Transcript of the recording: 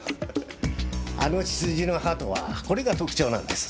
あの血筋の鳩はこれが特徴なんです。